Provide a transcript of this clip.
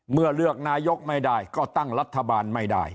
เมื่อเลือกนายกไม่ได้ก็ตั้งรัฐบาลไม่ได้